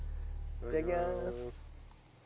いただきます！